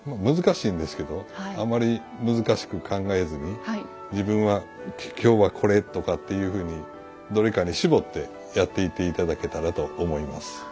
難しいんですけどあまり難しく考えずに自分は今日はこれとかっていうふうにどれかに絞ってやっていって頂けたらと思います。